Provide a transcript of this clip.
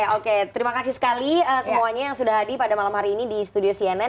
oke terima kasih sekali semuanya yang sudah hadir pada malam hari ini di studio cnn